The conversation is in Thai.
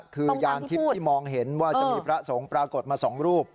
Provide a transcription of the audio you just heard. คือยานทิพย์ที่มองเห็นว่าจะมีพระสงฆ์ปรากฏมา๒รูป